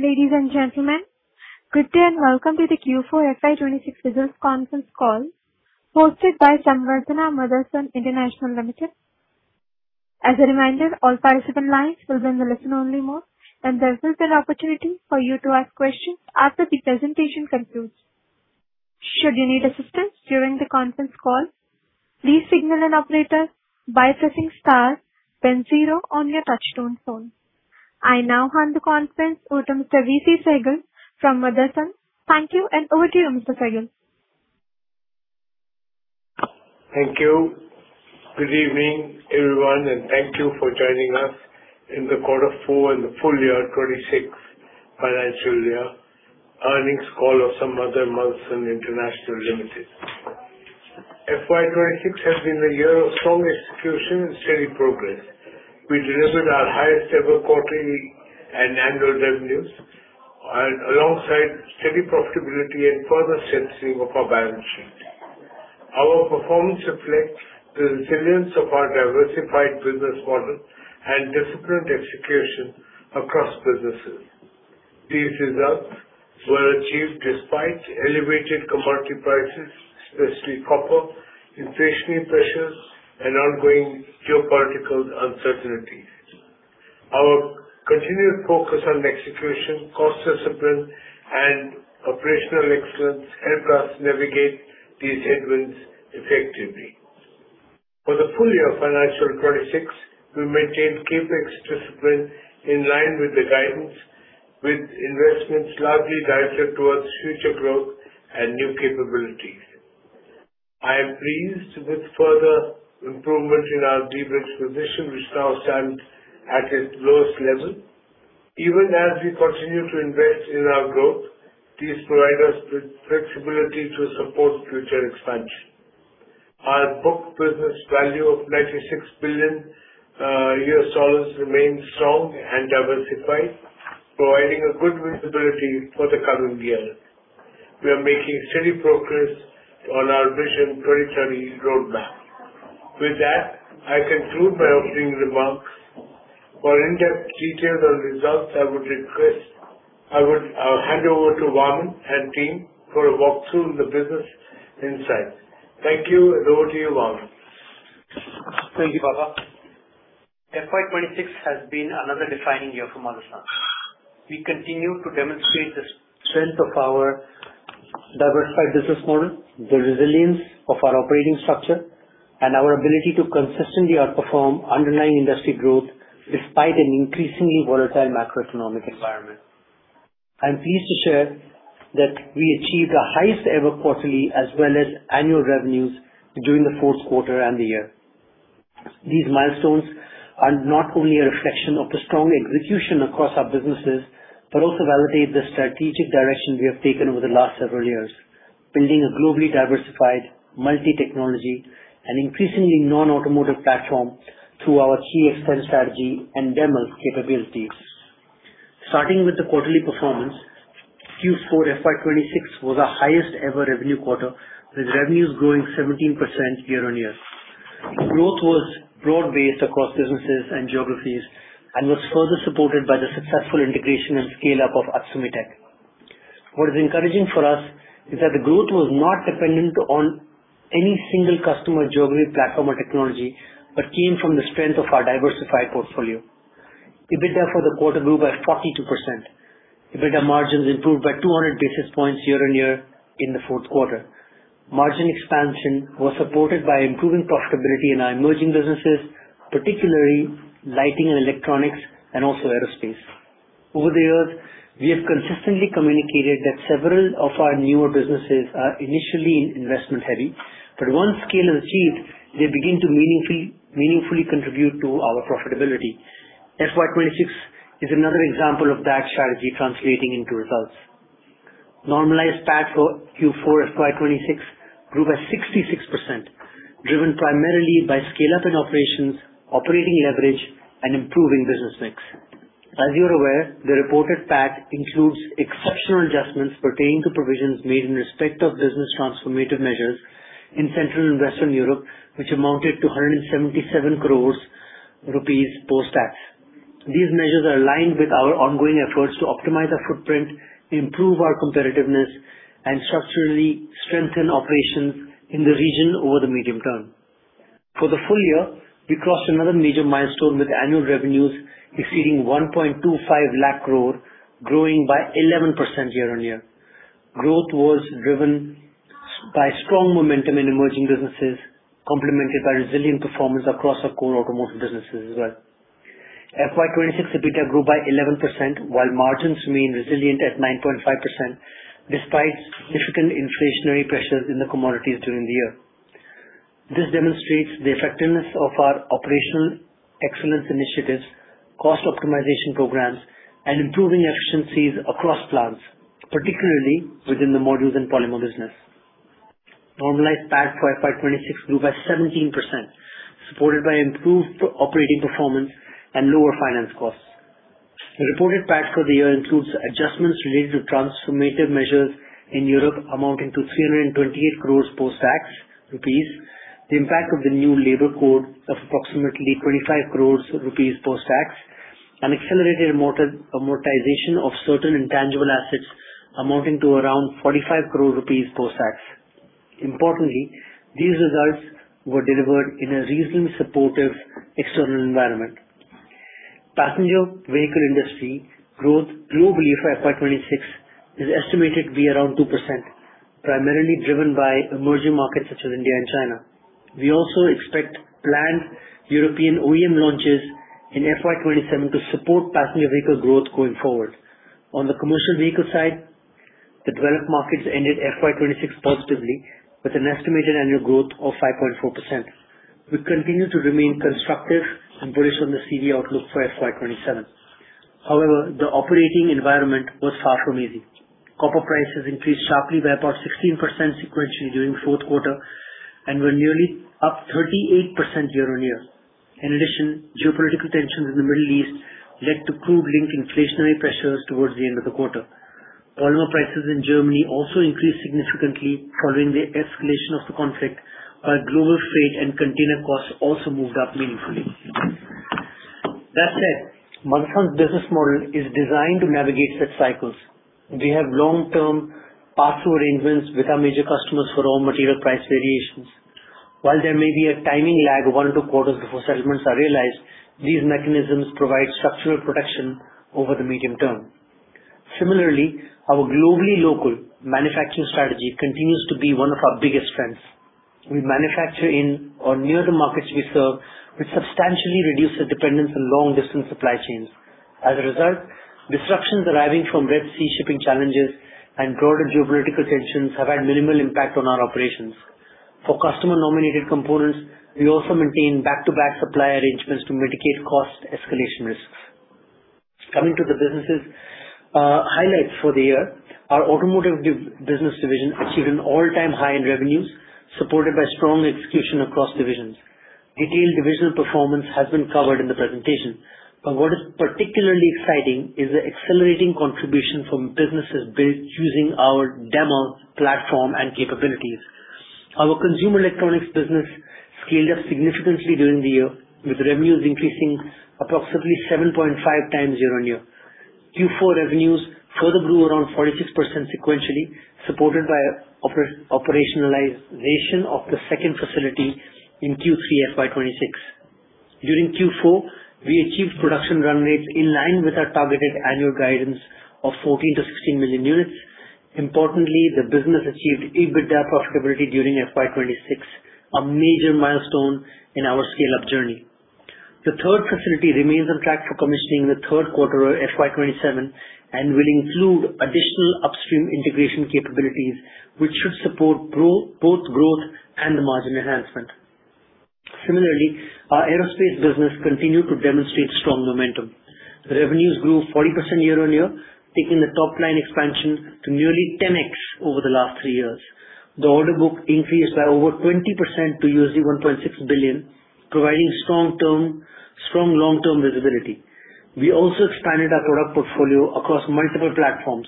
Ladies and gentlemen, good day and welcome to the Q4 FY 2026 results conference call hosted by Samvardhana Motherson International Ltd. I now hand the conference over to Mr. V.C. Sehgal from Motherson. Thank you, and over to you, Mr. Sehgal. Thank you. Good evening, everyone, thank you for joining us in the quarter four and the full year 2026 financial year earnings call of Samvardhana Motherson International Ltd. FY 2026 has been a year of strong execution and steady progress. We delivered our highest ever quarterly and annual revenues alongside steady profitability and further strengthening of our balance sheet. Our performance reflects the resilience of our diversified business model and disciplined execution across businesses. These results were achieved despite elevated commodity prices, especially copper, inflationary pressures, and ongoing geopolitical uncertainties. Our continued focus on execution, cost discipline, and operational excellence helped us navigate these headwinds effectively. For the full year financial 2026, we maintained CapEx discipline in line with the guidance, with investments largely directed towards future growth and new capabilities. I am pleased with further improvement in our de-risk position, which now stands at its lowest level. Even as we continue to invest in our growth, this provide us with flexibility to support future expansion. Our booked business value of $96 billion remains strong and diversified, providing a good visibility for the current year. We are making steady progress on our Vision 2030 roadmap. With that, I conclude my opening remarks. For in-depth details on results, I would request hand over to Vaaman and team for a walk through the business insight. Thank you, and over to you, Vaaman. Thank you, Vivek. FY 2026 has been another defining year for Motherson. We continue to demonstrate the strength of our diversified business model, the resilience of our operating structure, and our ability to consistently outperform underlying industry growth despite an increasingly volatile macroeconomic environment. I'm pleased to share that we achieved the highest ever quarterly as well as annual revenues during the fourth quarter and the year. These milestones are not only a reflection of the strong execution across our businesses, but also validate the strategic direction we have taken over the last several years, building a globally diversified multi-technology and increasingly non-automotive platform through our key external strategy and demo capabilities. Starting with the quarterly performance, Q4 FY 2026 was our highest ever revenue quarter, with revenues growing 17% year-on-year. Growth was broad-based across businesses and geographies and was further supported by the successful integration and scale-up of Atsumitec. What is encouraging for us is that the growth was not dependent on any single customer geography platform or technology, but came from the strength of our diversified portfolio. EBITDA for the quarter grew by 42%. EBITDA margins improved by 200 basis points year-on-year in the fourth quarter. Margin expansion was supported by improving profitability in our emerging businesses, particularly lighting and electronics and also aerospace. Over the years, we have consistently communicated that several of our newer businesses are initially investment heavy, but once scale is achieved, they begin to meaningfully contribute to our profitability. FY 2026 is another example of that strategy translating into results. Normalized PAT for Q4 FY 2026 grew by 66%, driven primarily by scale-up in operations, operating leverage, and improving business mix. As you're aware, the reported PAT includes exceptional adjustments pertaining to provisions made in respect of business transformative measures in Central and Western Europe, which amounted to 177 crores rupees post-tax. These measures are aligned with our ongoing efforts to optimize our footprint, improve our competitiveness, and structurally strengthen operations in the region over the medium term. For the full year, we crossed another major milestone, with annual revenues exceeding 1.25 lakh crore, growing by 11% year-on-year. Growth was driven by strong momentum in emerging businesses, complemented by resilient performance across our core automotive businesses as well. FY 2026, EBITDA grew by 11%, while margins remain resilient at 9.5% despite significant inflationary pressures in the commodities during the year. This demonstrates the effectiveness of our operational excellence initiatives, cost optimization programs, and improving efficiencies across plants, particularly within the modules and polymer business. Normalized PAT for FY 2026 grew by 17%, supported by improved operating performance and lower finance costs. The reported PAT for the year includes adjustments related to transformative measures in Europe amounting to 328 crores post-tax, the impact of the new labor code of approximately 25 crores rupees post-tax, and an accelerated amortization of certain intangible assets amounting to around 45 crore rupees post-tax. Importantly, these results were delivered in a reasonably supportive external environment. Passenger vehicle industry growth globally for FY 2026 is estimated to be around 2%, primarily driven by emerging markets such as India and China. We also expect planned European OEM launches in FY 2027 to support passenger vehicle growth going forward. On the commercial vehicle side, the developed markets ended FY 2026 positively with an estimated annual growth of 5.4%. We continue to remain constructive and bullish on the CV outlook for FY 2027. However, the operating environment was far from easy. Copper prices increased sharply by about 16% sequentially during fourth quarter and were nearly up 38% year-on-year. In addition, geopolitical tensions in the Middle East led to crude-linked inflationary pressures towards the end of the quarter. Polymer prices in Germany also increased significantly following the escalation of the conflict, while global freight and container costs also moved up meaningfully. That said, Motherson's business model is designed to navigate such cycles. We have long-term pass-through arrangements with our major customers for raw material price variations. While there may be a timing lag of one to two quarters before settlements are realized, these mechanisms provide structural protection over the medium term. Similarly, our globally local manufacturing strategy continues to be one of our biggest strengths. We manufacture in or near the markets we serve, which substantially reduce the dependence on long-distance supply chains. As a result, disruptions arising from Red Sea shipping challenges and broader geopolitical tensions have had minimal impact on our operations. For customer-nominated components, we also maintain back-to-back supply arrangements to mitigate cost escalation risks. Coming to the business highlights for the year. Our automotive div business division achieved an all-time high in revenues, supported by strong execution across divisions. Detailed divisional performance has been covered in the presentation, but what is particularly exciting is the accelerating contribution from businesses built using our demo platform and capabilities. Our consumer electronics business scaled up significantly during the year, with revenues increasing approximately 7.5x year-on-year. Q4 revenues further grew around 46% sequentially, supported by operationalization of the 2nd facility in Q3 FY 2026. During Q4, we achieved production run rates in line with our targeted annual guidance of 14 million-16 million units. Importantly, the business achieved EBITDA profitability during FY 2026, a major milestone in our scale-up journey. The 3rd facility remains on track for commissioning in the third quarter of FY 2027 and will include additional upstream integration capabilities, which should support both growth and margin enhancement. Similarly, our aerospace business continued to demonstrate strong momentum. Revenues grew 40% year-on-year, taking the top line expansion to nearly 10x over the last 3 years. The order book increased by over 20% to $1.6 billion, providing strong long-term visibility. We also expanded our product portfolio across multiple platforms,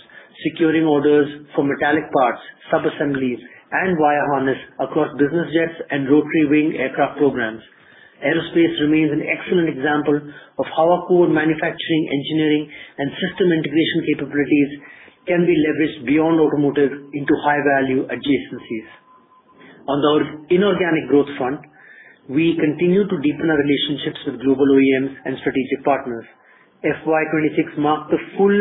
securing orders for metallic parts, sub-assemblies, and wire harness across business jets and rotary wing aircraft programs. Aerospace remains an excellent example of how our core manufacturing, engineering, and system integration capabilities can be leveraged beyond automotive into high-value adjacencies. On our inorganic growth front, we continue to deepen our relationships with global OEMs and strategic partners. FY 2026 marked the full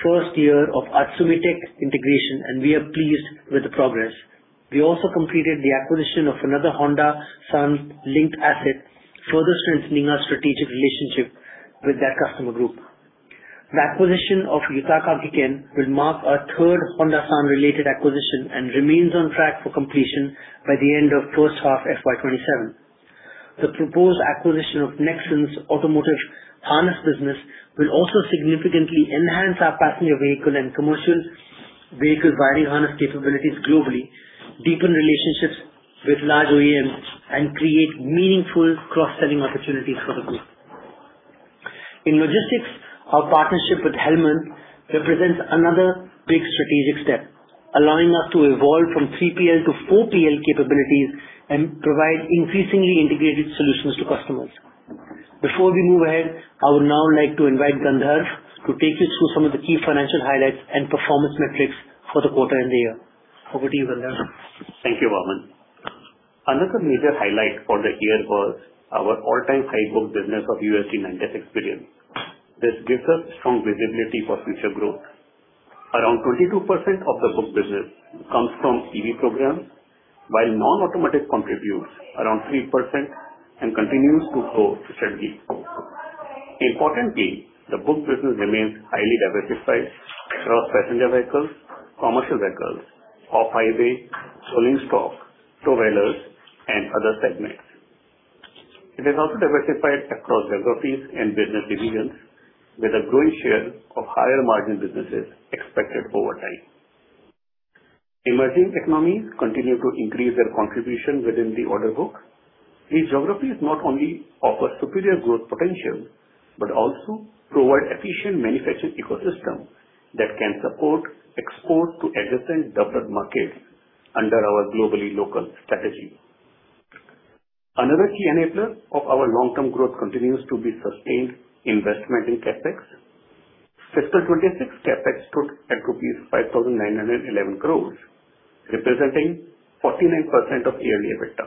first year of Atsumitec integration. We are pleased with the progress. We also completed the acquisition of another Honda Sun linked asset, further strengthening our strategic relationship with that customer group. The acquisition of Yutaka Giken. will mark our third Honda Sun-related acquisition and remains on track for completion by the end of first half FY 2027. The proposed acquisition of Nexans Autoelectric will also significantly enhance our passenger vehicle and commercial vehicle wiring harness capabilities globally, deepen relationships with large OEMs, and create meaningful cross-selling opportunities for the group. In logistics, our partnership with Hellmann represents another big strategic step, allowing us to evolve from 3PL to 4PL capabilities and provide increasingly integrated solutions to customers. Before we move ahead, I would now like to invite Gandharv to take you through some of the key financial highlights and performance metrics for the quarter and the year. Over to you, Gandharv. Thank you, Vaaman. Another major highlight for the year was our all-time high book business of $96 billion. This gives us strong visibility for future growth. Around 22% of the book business comes from EV programs, while non-automatic contributes around 3% and continues to grow steadily. Importantly, the book business remains highly diversified across passenger vehicles, commercial vehicles, off-highway, rolling stock, two-wheelers, and other segments. It is also diversified across geographies and business divisions, with a growing share of higher margin businesses expected over time. Emerging economies continue to increase their contribution within the order books. These geographies not only offer superior growth potential, but also provide efficient manufacturing ecosystem that can support export to adjacent developed markets under our globally local strategy. Another key enabler of our long-term growth continues to be sustained investment in CapEx. Fiscal 2026 CapEx stood at rupees 5,911 crores, representing 49% of yearly EBITDA.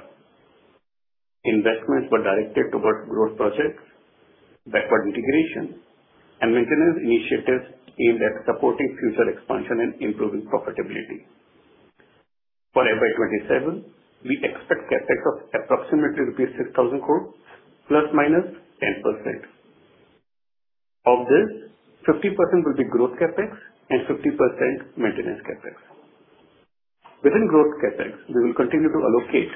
Investments were directed towards growth projects, backward integration, and maintenance initiatives aimed at supporting future expansion and improving profitability. For FY 2027, we expect CapEx of approximately 6,000 crores rupees, ±10%. Of this, 50% will be growth CapEx and 50% maintenance CapEx. Within growth CapEx, we will continue to allocate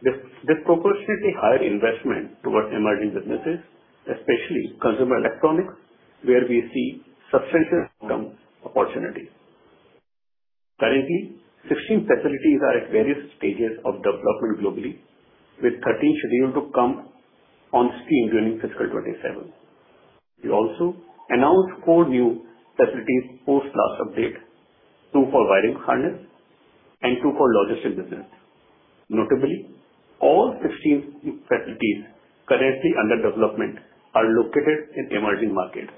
this proportionately higher investment towards emerging businesses, especially consumer electronics, where we see substantial income opportunity. Currently, 16 facilities are at various stages of development globally, with 13 scheduled to come on stream during fiscal 2027. We also announced 4 new facilities post last update, 2 for wiring harness and 2 for logistics business. Notably, all 16 facilities currently under development are located in emerging markets,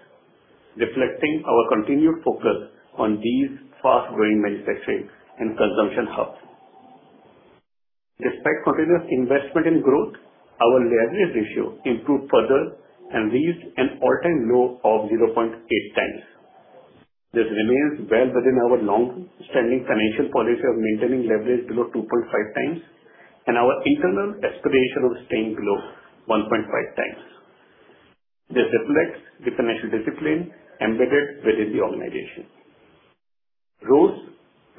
reflecting our continued focus on these fast-growing manufacturing and consumption hubs. Despite continuous investment in growth, our leverage ratio improved further and reached an all-time low of 0.8x. This remains well within our long-standing financial policy of maintaining leverage below 2.5x and our internal aspiration of staying below 1.5x. This reflects the financial discipline embedded within the organization. ROCE,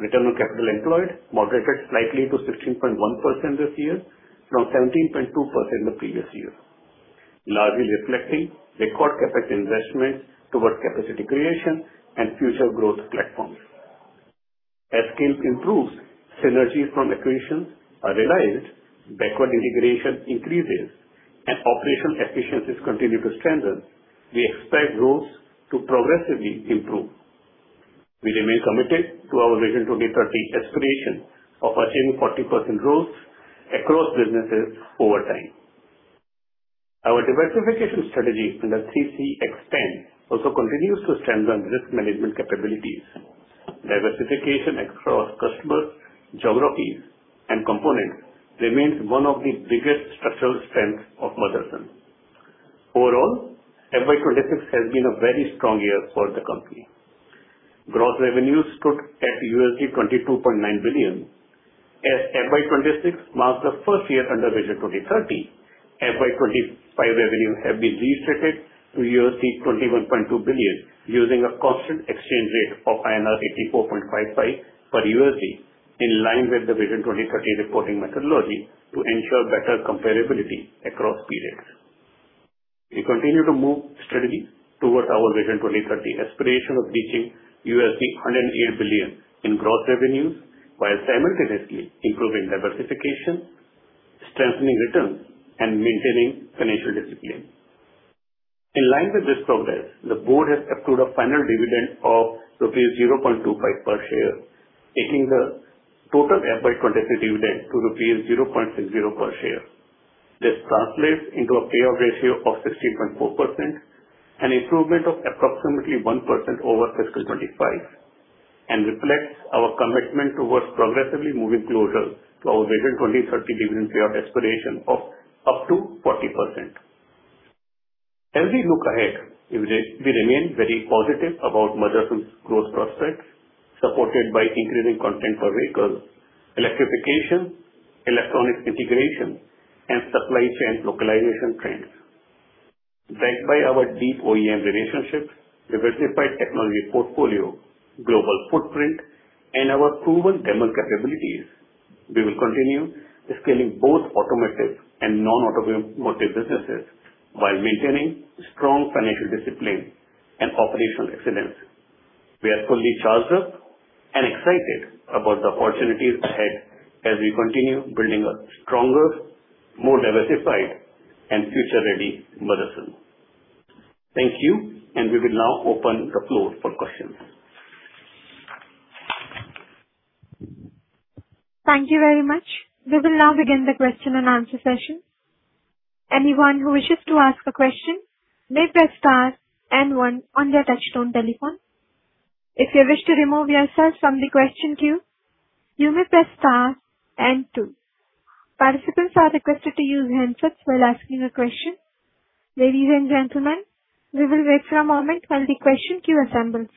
return on capital employed, moderated slightly to 16.1% this year from 17.2% the previous year, largely reflecting record CapEx investments towards capacity creation and future growth platforms. As scale improves, synergies from acquisitions are realized, backward integration increases, and operational efficiencies continue to strengthen, we expect growth to progressively improve. We remain committed to our Vision 2030 aspiration of achieving 40% growth across businesses over time. Our diversification strategy under 3CX10 also continues to strengthen risk management capabilities. Diversification across customers, geographies, and components remains one of the biggest structural strengths of Motherson. Overall, FY 2026 has been a very strong year for the company. Gross revenues stood at $22.9 billion. As FY 2026 marks the first year under Vision 2030, FY 2025 revenues have been restated to $21.2 billion using a constant exchange rate of INR 84.55 per USD in line with the Vision 2030 reporting methodology to ensure better comparability across periods. We continue to move steadily towards our Vision 2030 aspiration of reaching $108 billion in gross revenues while simultaneously improving diversification, strengthening returns, and maintaining financial discipline. In line with this progress, the board has approved a final dividend of rupees 0.25 per share, making the total FY 2026 dividend to rupees 0.60 per share. This translates into a payout ratio of 16.4%, an improvement of approximately 1% over fiscal 2025, and reflects our commitment towards progressively moving closer to our Vision 2030 dividend payout aspiration of up to 40%. As we look ahead, we remain very positive about Motherson's growth prospects, supported by increasing content per vehicle, electrification, electronic integration, and supply chain localization trends. Led by our deep OEM relationships, diversified technology portfolio, global footprint, and our proven thermal capabilities, we will continue scaling both automotive and non-automotive businesses while maintaining strong financial discipline and operational excellence. We are fully charged up and excited about the opportunities ahead as we continue building a stronger, more diversified, and future-ready Motherson. Thank you. We will now open the floor for questions. Thank you very much. We will now begin the question and answer session. Anyone who wishes to ask a question may press star and one on their touchtone telephone. If you wish to remove yourself from the question queue, you may press star and two. Participants are requested to use handsets while asking a question. Ladies and gentlemen, we will wait for a moment while the question queue assembles.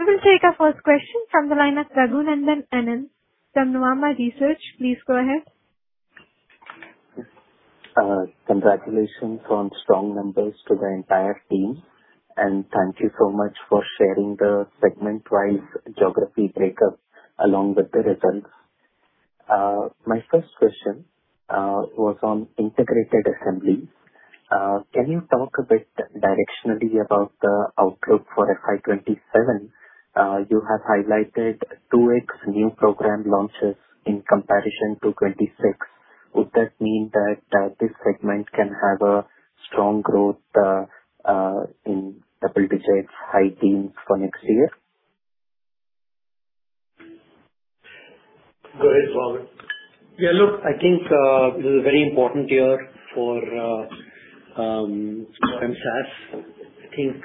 We will take our first question from the line of Raghunandhan N L from Nuvama Research. Please go ahead. Congratulations on strong numbers to the entire team. Thank you so much for sharing the segment-wise geography breakup along with the results. My first question was on integrated assembly. Can you talk a bit directionally about the outlook for FY 2027? You have highlighted 2x new program launches in comparison to 2026. Would that mean that this segment can have a strong growth in double digits, high teens for next year? Go ahead, Vaaman. Yeah. Look, I think this is very important year for MSAS. I think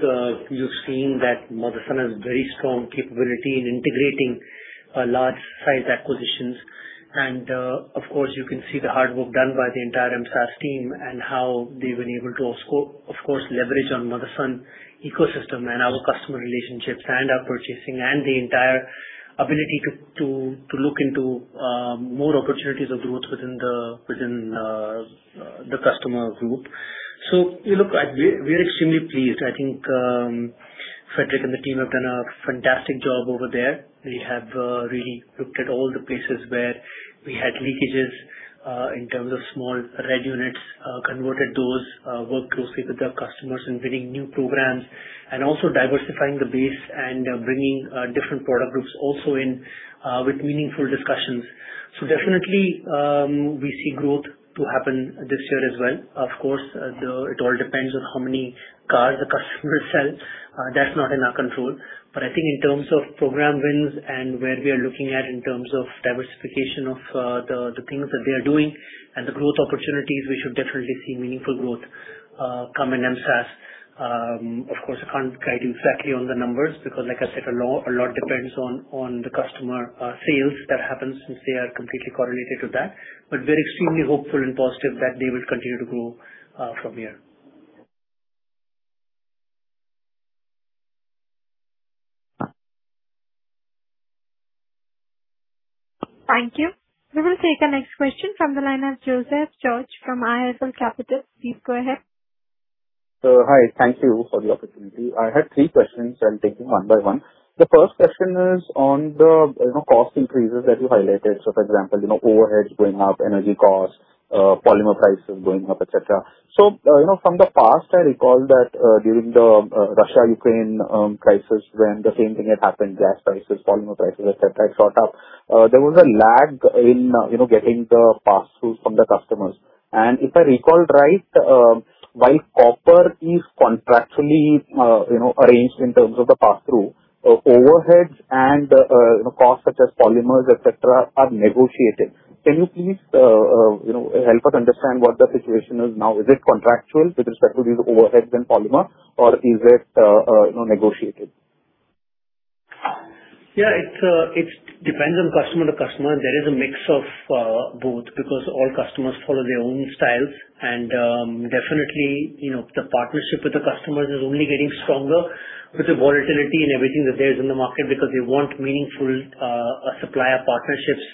you've seen that Motherson has very strong capability in integrating large size acquisitions. Of course, you can see the hard work done by the entire MSAS team and how they've been able to also, of course, leverage on Motherson ecosystem and our customer relationships and our purchasing and the entire ability to look into more opportunities of growth within the customer group. Look, we're extremely pleased. I think Frederic and the team have done a fantastic job over there. We have really looked at all the places where we had leakages, in terms of small red units, converted those, worked closely with the customers in winning new programs and also diversifying the base and bringing different product groups also in with meaningful discussions. Definitely, we see growth to happen this year as well. Of course, it all depends on how many cars the customers sell. That's not in our control. I think in terms of program wins and where we are looking at in terms of diversification of the things that they are doing and the growth opportunities, we should definitely see meaningful growth come in MSAS. Of course, I can't guide you exactly on the numbers because like I said, a lot depends on the customer, sales that happens since they are completely correlated to that. We're extremely hopeful and positive that they will continue to grow from here. Thank you. We will take the next question from the line of Joseph George from IIFL Capital. Please go ahead. Hi. Thank you for the opportunity. I had 3 questions. I'll take them 1-by-1. The first question is on the, you know, cost increases that you highlighted. For example, you know, overheads going up, energy costs, polymer prices going up, et cetera. From the past, I recall that during the Russia-Ukraine crisis when the same thing had happened, gas prices, polymer prices, et cetera, shot up. There was a lag in, you know, getting the pass-through from the customers. If I recall it right, while copper is contractually, you know, arranged in terms of the pass-through, overheads and, you know, costs such as polymers, et cetera, are negotiated. Can you please, you know, help us understand what the situation is now? Is it contractual with respect to these overheads and polymer, or is it, you know, negotiated? Yeah. It's, it depends on customer-to-customer. There is a mix of both because all customers follow their own styles. Definitely, you know, the partnership with the customers is only getting stronger with the volatility and everything that there is in the market because they want meaningful supplier partnerships.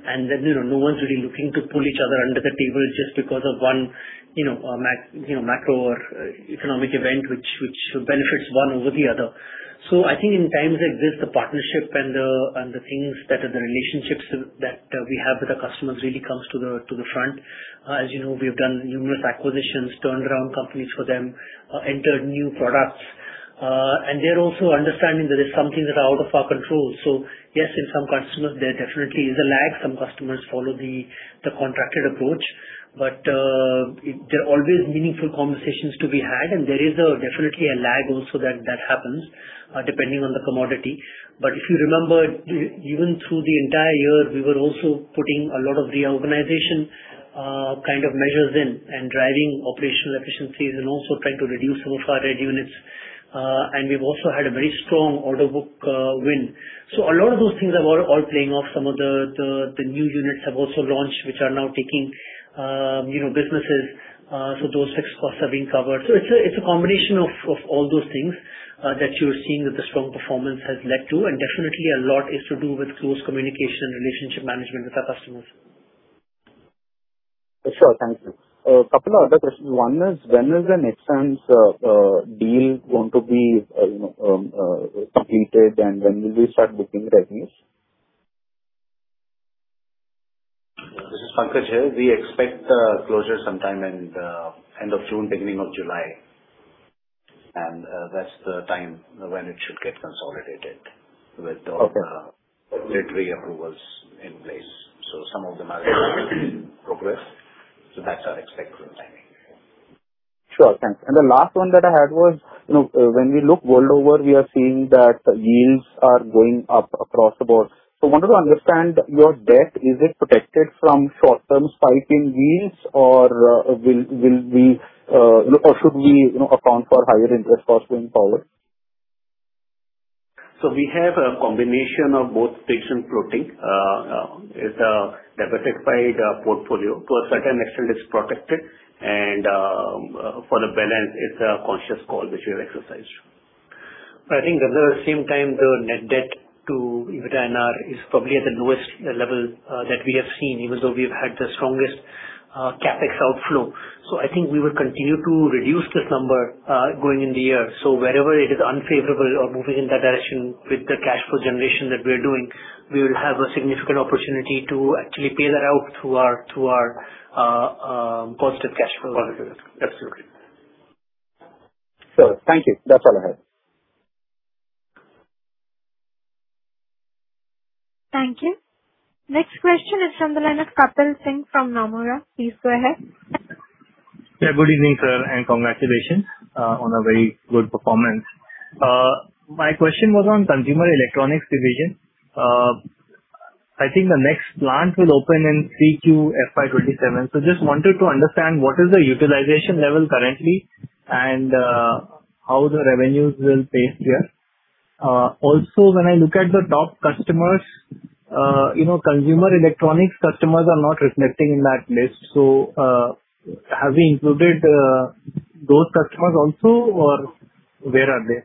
You know, no one's really looking to pull each other under the table just because of one, you know, macro or economic event which benefits one over the other. I think in times like this, the partnership and the relationships that we have with the customers really comes to the front. As you know, we've done numerous acquisitions, turned around companies for them, entered new products. They're also understanding there is something that are out of our control. Yes, in some customers there definitely is a lag. Some customers follow the contracted approach. There are always meaningful conversations to be had, and there is definitely a lag also that happens depending on the commodity. If you remember, even through the entire year, we were also putting a lot of reorganization kind of measures in and driving operational efficiencies and also trying to reduce some of our red units. We've also had a very strong order book win. A lot of those things are all playing off. Some of the new units have also launched, which are now taking, you know, businesses. Those fixed costs are being covered. It's a combination of all those things, that you're seeing that the strong performance has led to. Definitely a lot is to do with close communication and relationship management with our customers. Sure. Thank you. Couple of other questions. One is, when is the Nexans deal going to be, you know, completed, and when will we start booking revenues? This is Pankaj here. We expect closure sometime in end of June, beginning of July. That's the time when it should get consolidated. Okay. Regulatory approvals in place. Some of them are in progress. That's our expected timing. Sure. Thanks. The last one that I had was, you know, when we look world over, we are seeing that yields are going up across the board. I wanted to understand your debt. Is it protected from short-term spiking yields or will we, you know, or should we, you know, account for higher interest costs going forward? We have a combination of both fixed and floating. It's a diversified portfolio. To a certain extent, it's protected and, for the balance, it's a conscious call which we have exercised. I think at the same time, the net debt to EBITDA is probably at the lowest level that we have seen, even though we've had the strongest CapEx outflow. I think we will continue to reduce this number going in the year. Wherever it is unfavorable or moving in that direction with the cash flow generation that we are doing, we will have a significant opportunity to actually pay that out through our positive cash flow. Positive cash flow. Absolutely. Thank you. That's all I have. Thank you. Next question is from the line of Kapil Singh from Nomura. Please go ahead. Good evening, sir, and congratulations on a very good performance. My question was on consumer electronics division. I think the next plant will open in 3Q FY 2027. Just wanted to understand what is the utilization level currently and how the revenues will pace there. When I look at the top customers, you know, consumer electronics customers are not reflecting in that list. Have we included those customers also or where are they?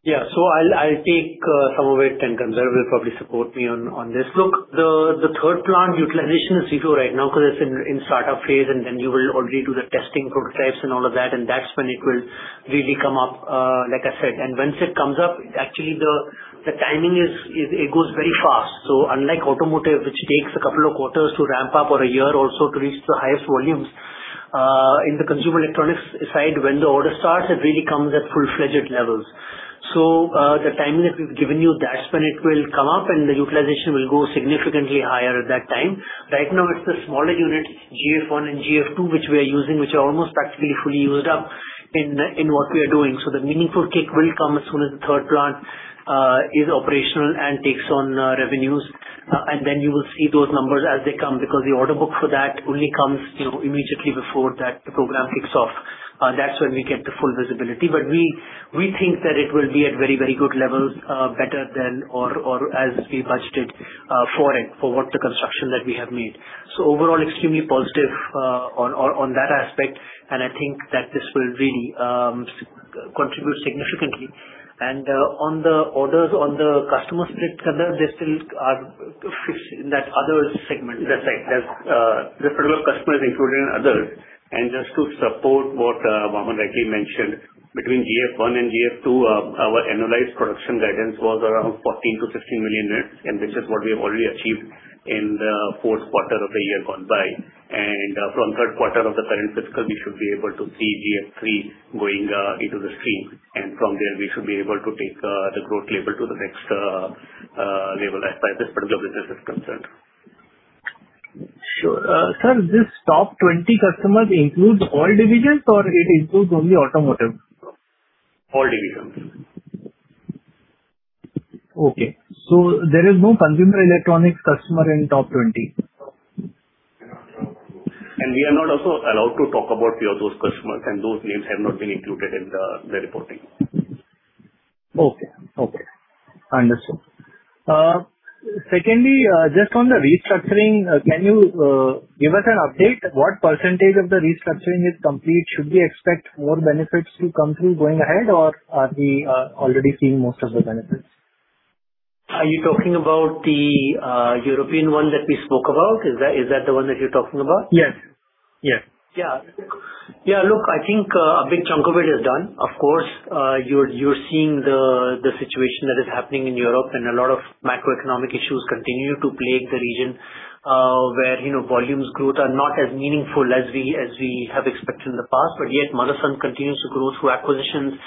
Yeah. I'll take some of it, and Gandharv will probably support me on this. Look, the third plant utilization is 0 right now 'cause it's in startup phase, and then you will already do the testing prototypes and all of that, and that's when it will really come up, like I said. Once it comes up, actually the timing is it goes very fast. Unlike automotive, which takes a couple of quarters to ramp up or a year or so to reach the highest volumes, in the consumer electronics side, when the order starts, it really comes at full-fledged levels. The timeline that we've given you, that's when it will come up and the utilization will go significantly higher at that time. Right now, it's the smaller unit, GF1 and GF2, which we are using, which are almost practically fully used up in what we are doing. The meaningful take will come as soon as the third plant is operational and takes on revenues. Then you will see those numbers as they come because the order book for that only comes, you know, immediately before that program kicks off. That's when we get the full visibility. We think that it will be at very, very good levels, better than or as we budgeted for it, for what the construction that we have made. Overall, extremely positive on that aspect, and I think that this will really contribute significantly. On the orders on the customer split, Gandharv, they still are fixed in that other segment. That's right. That's the federal customer is included in other. Just to support what Vaaman rightly mentioned, between GF1 and GF2, our annualized production guidance was around 14 million-16 million units, and this is what we have already achieved in the fourth quarter of the year gone by. From third quarter of the current fiscal, we should be able to see GF3 going into the stream. From there we should be able to take the growth level to the next level as far as this particular business is concerned. Sure. sir, this top 20 customers includes all divisions or it includes only automotive? All divisions. Okay. There is no consumer electronics customer in top 20? We are not also allowed to talk about few of those customers, and those names have not been included in the reporting. Okay. Okay. I understand. Secondly, just on the restructuring, can you give us an update what percentage of the restructuring is complete? Should we expect more benefits to come through going ahead or are we already seeing most of the benefits? Are you talking about the European one that we spoke about? Is that the one that you're talking about? Yes. Yeah. Yeah. Yeah. Look, I think, a big chunk of it is done. Of course, you're seeing the situation that is happening in Europe and a lot of macroeconomic issues continue to plague the region, where, you know, volumes growth are not as meaningful as we have expected in the past. Yet Motherson continues to grow through acquisitions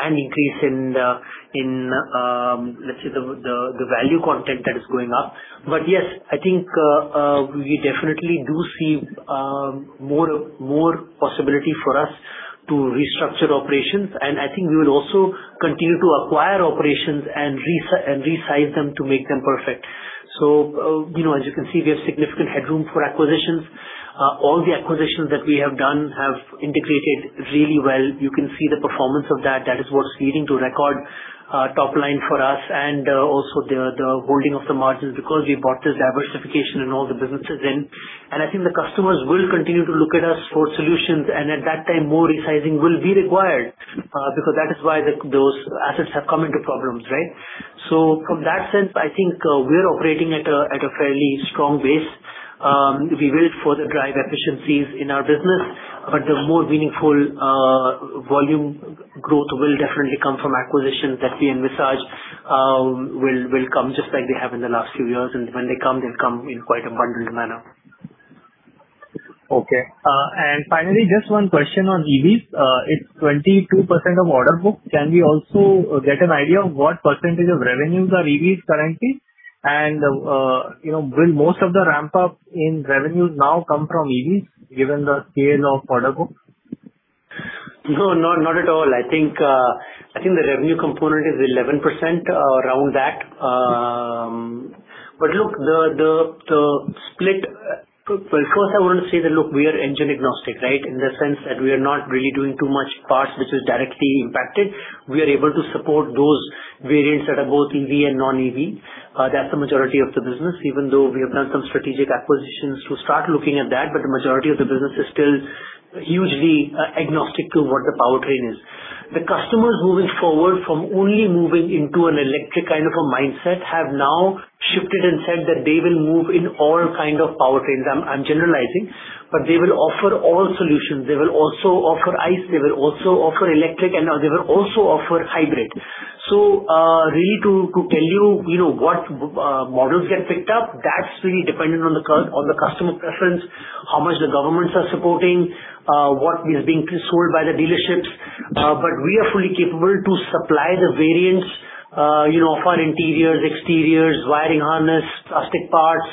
and increase in the, in, let's say the value content that is going up. Yes, I think, we definitely do see, more possibility for us to restructure operations. I think we would also continue to acquire operations and resize them to make them perfect. You know, as you can see, we have significant headroom for acquisitions. All the acquisitions that we have done have integrated really well. You can see the performance of that. That is what's leading to record top line for us and also the holding of the margins because we bought this diversification and all the businesses in. I think the customers will continue to look at us for solutions and at that time more resizing will be required because that is why the those assets have come into problems, right. From that sense, I think, we are operating at a fairly strong base. We will further drive efficiencies in our business, but the more meaningful volume growth will definitely come from acquisitions that we envisage will come just like they have in the last few years. When they come, they'll come in quite abundant manner. Okay. Finally, just one question on EVs. It's 22% of order book. Can we also get an idea of what % of revenues are EVs currently? You know, will most of the ramp-up in revenues now come from EVs given the scale of order book? No, not at all. I think the revenue component is 11% around that. Look, the split, first I want to say that look we are engine agnostic, right? In the sense that we are not really doing too much parts which is directly impacted. We are able to support those variants that are both EV and non-EV. That's the majority of the business even though we have done some strategic acquisitions to start looking at that. The majority of the business is still hugely agnostic to what the powertrain is. The customers moving forward from only moving into an electric kind of a mindset have now shifted and said that they will move in all kind of powertrains. I'm generalizing, but they will offer all solutions. They will also offer ICE, they will also offer electric, and they will also offer hybrid. Really to tell you know, what models get picked up, that's really dependent on the customer preference, how much the governments are supporting, what is being sold by the dealerships. We are fully capable to supply the variants, you know, for interiors, exteriors, wiring harness, plastic parts,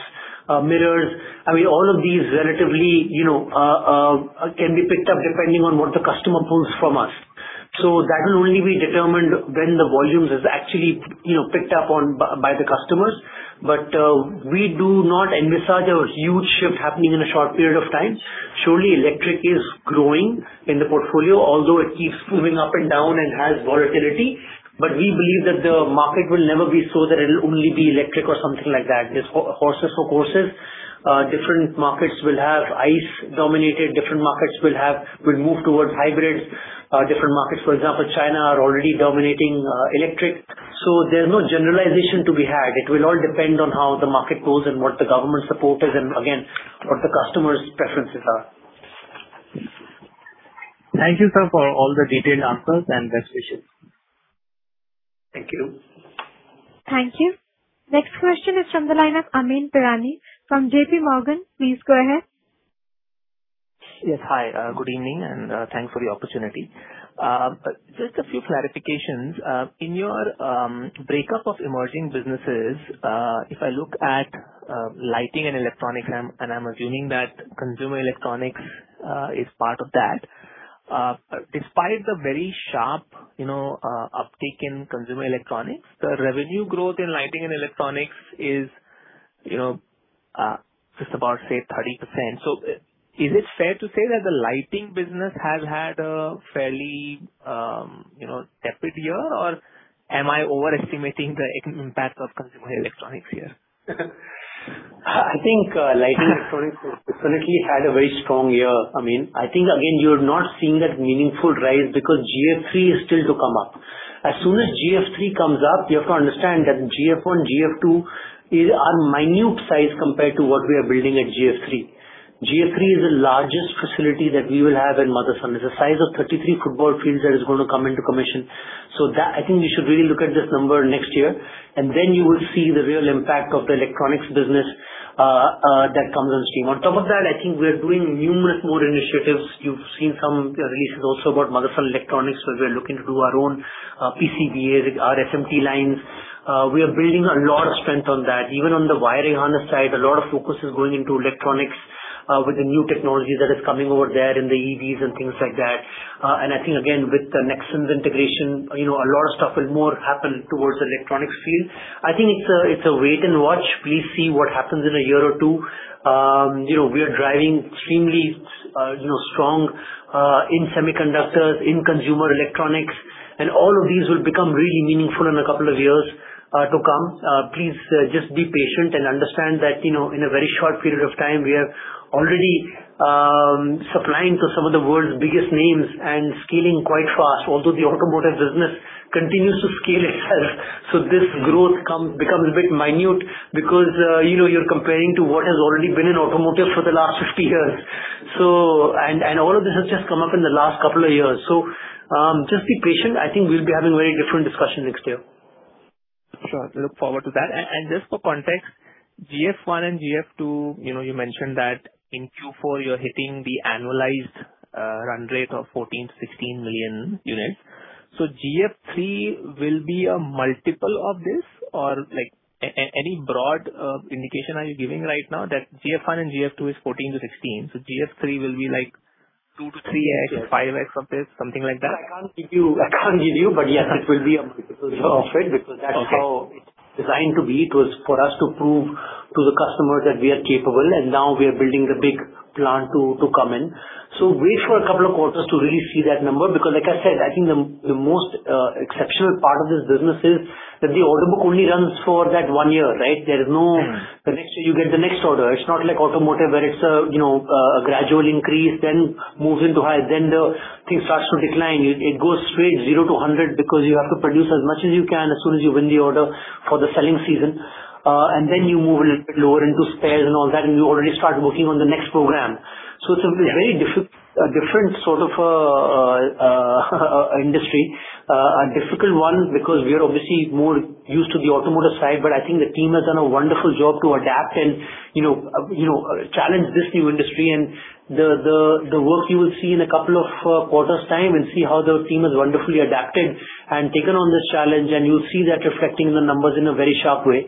mirrors. I mean, all of these relatively, you know, can be picked up depending on what the customer pulls from us. That will only be determined when the volumes is actually, you know, picked up on by the customers. We do not envisage a huge shift happening in a short period of time. Surely electric is growing in the portfolio, although it keeps moving up and down and has volatility. We believe that the market will never be so that it'll only be electric or something like that. There's horses for courses. Different markets will have ICE dominated, different markets will move towards hybrids. Different markets, for example, China, are already dominating electric. There's no generalization to be had. It will all depend on how the market goes and what the government support is and again, what the customer's preferences are. Thank you, sir, for all the detailed answers and best wishes. Thank you. Thank you. Next question is from the line of Amyn Pirani from JPMorgan. Please go ahead. Yes. Hi. Good evening and thanks for the opportunity. Just a few clarifications. In your breakup of emerging businesses, if I look at Lighting and Electronics, and I'm assuming that consumer electronics is part of that. Despite the very sharp, you know, uptick in consumer electronics, the revenue growth in Lighting and Electronics is, you know, just about, say, 30%. Is it fair to say that the lighting business has had a fairly, you know, tepid year, or am I overestimating the impact of consumer electronics here? I think lighting and electronics definitely had a very strong year, Amyn. I think again, you're not seeing that meaningful rise because GF3 is still to come up. As soon as GF3 comes up, you have to understand that GF1, GF2 are minute size compared to what we are building at GF3. GF3 is the largest facility that we will have in Motherson. It's a size of 33 football fields that is gonna come into commission. I think we should really look at this number next year, and then you will see the real impact of the electronics business that comes on stream. On top of that, I think we are doing numerous more initiatives. You've seen some releases also about Motherson electronics, where we are looking to do our own PCBA, SMT lines. We are building a lot of strength on that. Even on the wiring harness side, a lot of focus is going into electronics, with the new technology that is coming over there in the EVs and things like that. I think again, with the Nexans integration, you know, a lot of stuff will more happen towards the electronics field. I think it's a, it's a wait and watch. Please see what happens in a year or two. You know, we are driving extremely, you know, strong, in semiconductors, in consumer electronics, and all of these will become really meaningful in a couple of years to come. Please, just be patient and understand that, you know, in a very short period of time, we are already supplying to some of the world's biggest names and scaling quite fast. Although the automotive business continues to scale itself, this growth becomes a bit minute because, you know, you're comparing to what has already been in automotive for the last 50 years. All of this has just come up in the last couple of years. Just be patient. I think we'll be having very different discussion next year. Sure. Look forward to that. Just for context, GF1 and GF2, you know, you mentioned that in Q4 you're hitting the annualized run rate of 14 million-16 million units. GF3 will be a multiple of this or like any broad indication are you giving right now that GF1 and GF2 is 14-16, GF3 will be like 2x-3x- Yes. -5x of this, something like that? I can't give you, but yes, it will be a multiple of it. Sure. Okay. Because that's how it's designed to be. It was for us to prove to the customers that we are capable, and now we are building the big plant to come in. Wait for a couple of quarters to really see that number because like I said, I think the most exceptional part of this business is that the order book only runs for that one year, right? The next year you get the next order. It's not like automotive where it's a, you know, a gradual increase then moves into high, then the thing starts to decline. It goes straight 0-100 because you have to produce as much as you can as soon as you win the order for the selling season. Then you move a little bit lower into spares and all that. You already start working on the next program. It's a very different sort of industry. A difficult one because we are obviously more used to the automotive side, but I think the team has done a wonderful job to adapt and, you know, challenge this new industry and the work you will see in a couple of quarters' time and see how the team has wonderfully adapted and taken on this challenge. You'll see that reflecting the numbers in a very sharp way.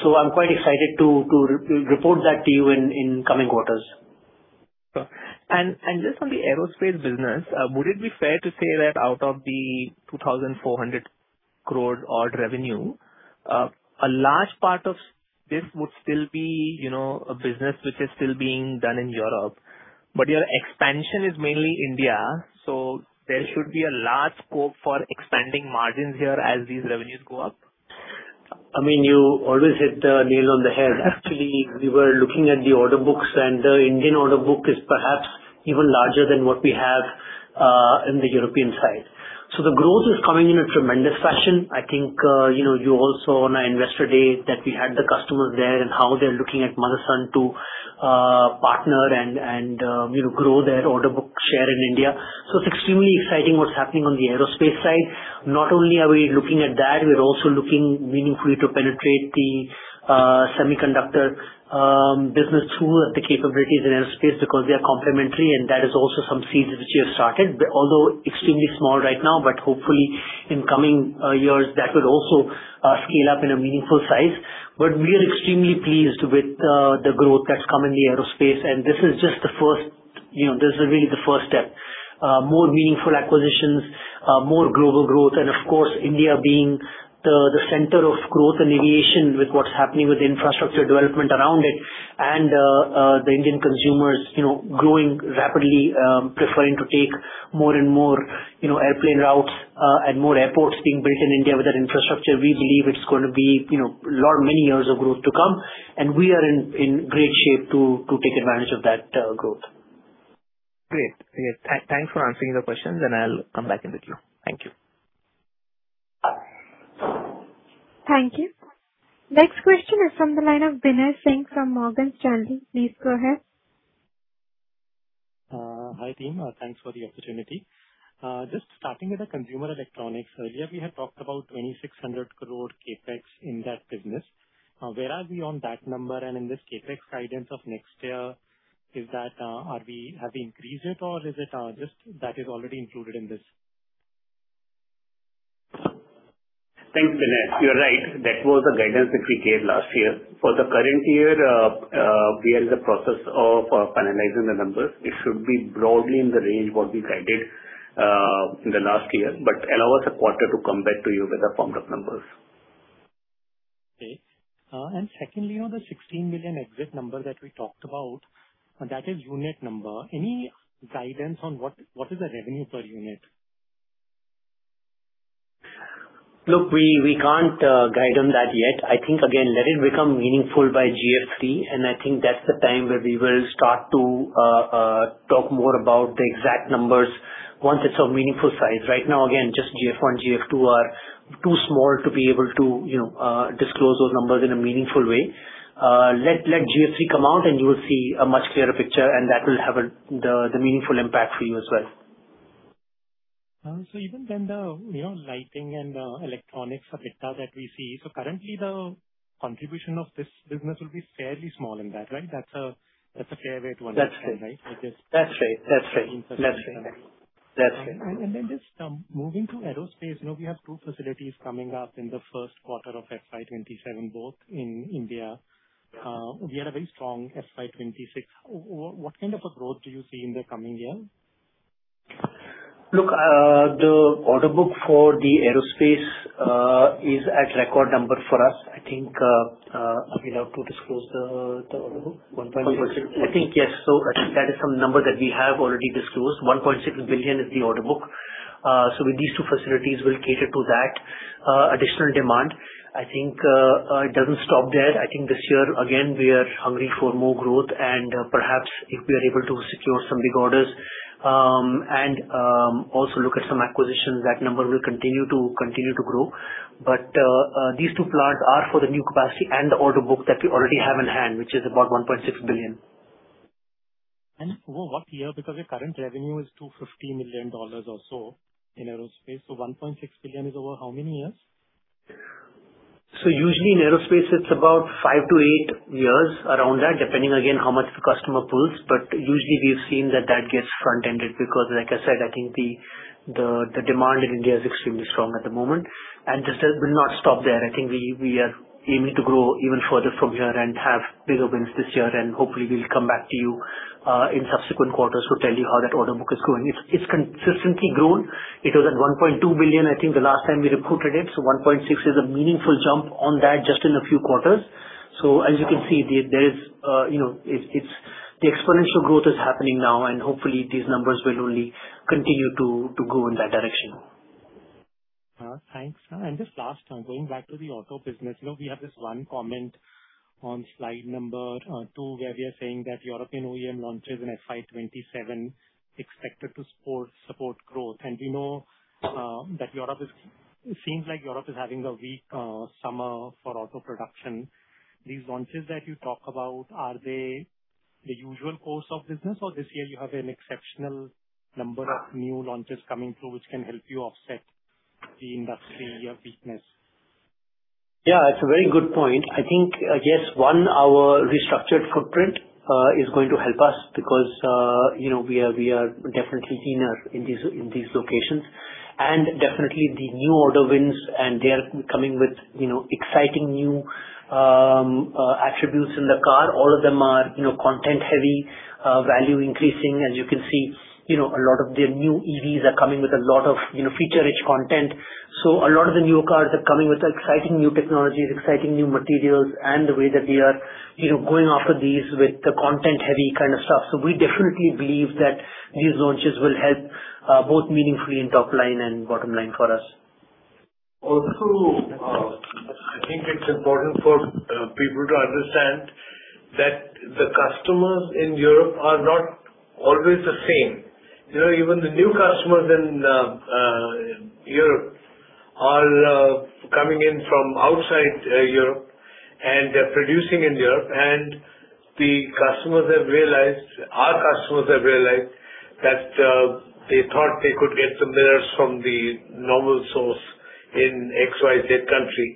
So I'm quite excited to re-report that to you in coming quarters. Sure. just on the aerospace business, would it be fair to say that out of the 2,400 crore odd revenue, a large part of this would still be, you know, a business which is still being done in Europe, but your expansion is mainly India, so there should be a large scope for expanding margins here as these revenues go up? I mean, you always hit the nail on the head. Actually, we were looking at the order books and the Indian order book is perhaps even larger than what we have in the European side. The growth is coming in a tremendous fashion. I think, you know, you also on our Investor Day that we had the customers there and how they're looking at Motherson to partner and, you know, grow their order book share in India. It's extremely exciting what's happening on the aerospace side. Not only are we looking at that, we're also looking meaningfully to penetrate the semiconductor business through the capabilities in aerospace because they are complementary, and that is also some seeds which we have started. Although extremely small right now, hopefully in coming years that would also scale up in a meaningful size. We are extremely pleased with the growth that's come in the aerospace, and this is just the first, you know, this is really the first step. More meaningful acquisitions, more global growth, and of course, India being the center of growth and aviation with what's happening with infrastructure development around it and the Indian consumers, you know, growing rapidly, preferring to take more and more, you know, airplane routes, and more airports being built in India with that infrastructure. We believe it's gonna be, you know, many years of growth to come, and we are in great shape to take advantage of that growth. Great. Great. Thanks for answering the questions, I'll come back in the queue. Thank you. Thank you. Next question is from the line of Binay Singh from Morgan Stanley. Please go ahead. Hi, team. Thanks for the opportunity. Just starting with the consumer electronics. Earlier, we had talked about 2,600 crore CapEx in that business. Where are we on that number? In this CapEx guidance of next year, is that have we increased it or is it just that is already included in this? Thanks, Binay. You're right. That was the guidance that we gave last year. For the current year, we are in the process of finalizing the numbers. It should be broadly in the range what we guided in the last year. Allow us a quarter to come back to you with the firmed up numbers. Okay. Secondly, on the 16 million exit number that we talked about, that is unit number. Any guidance on what is the revenue per unit? Look, we can't guide on that yet. I think, again, let it become meaningful by GF3, and I think that's the time where we will start to talk more about the exact numbers once it's of meaningful size. Right now, again, just GF1, GF2 are too small to be able to, you know, disclose those numbers in a meaningful way. Let GF3 come out and you will see a much clearer picture and that will have the meaningful impact for you as well. Even then the, you know, lighting and electronics EBITDA that we see, currently the contribution of this business will be fairly small in that, right? That's a, that's a fair way to understand, right? That's right. That's right. That's right. That's right. Just, moving to aerospace, you know, we have two facilities coming up in the first quarter of FY 2027, both in India. We had a very strong FY 2026. What kind of a growth do you see in the coming year? Look, the order book for the aerospace is at record number for us. I think, are we allowed to disclose the order book? 1.6. I think, yes. I think that is some number that we have already disclosed. $1.6 billion is the order book. With these two facilities, we'll cater to that additional demand. I think it doesn't stop there. I think this year, again, we are hungry for more growth and perhaps if we are able to secure some big orders and also look at some acquisitions, that number will continue to grow. These two plants are for the new capacity and the order book that we already have in hand, which is about $1.6 billion. Over what year? Your current revenue is $250 million or so in aerospace, so $1.6 billion is over how many years? Usually in aerospace it's about 5-8 years, around that, depending again how much the customer pulls. Usually we've seen that that gets front-ended because, like I said, I think the demand in India is extremely strong at the moment. This will not stop there. I think we are aiming to grow even further from here and have bigger wins this year. Hopefully we'll come back to you in subsequent quarters to tell you how that order book is growing. It's consistently grown. It was at 1.2 billion, I think, the last time we reported it, so 1.6 billion is a meaningful jump on that just in a few quarters. As you can see, there is, you know, it's the exponential growth is happening now and hopefully these numbers will only continue to go in that direction. Thanks. Just last, going back to the Auto business. You know, we have this one comment on slide number 2, where we are saying that European OEM launches in FY 2027 expected to support growth. We know, it seems like Europe is having a weak, summer for auto production. These launches that you talk about, are they the usual course of business or this year you have an exceptional number of new launches coming through which can help you offset the industry weakness? Yeah, it's a very good point. I think, yes. One, our restructured footprint is going to help us because, you know, we are definitely leaner in these locations. Definitely the new order wins and they are coming with, you know, exciting new attributes in the car. All of them are, you know, content heavy, value increasing. As you can see, you know, a lot of the new EVs are coming with a lot of, you know, feature-rich content. A lot of the new cars are coming with exciting new technologies, exciting new materials, and the way that they are, you know, going after these with the content heavy kind of stuff. We definitely believe that these launches will help both meaningfully in top line and bottom line for us. Also, I think it's important for people to understand that the customers in Europe are not always the same. You know, even the new customers in Europe are coming in from outside Europe, and they're producing in Europe. Our customers have realized that they thought they could get the mirrors from the normal source in X,Y,Z country.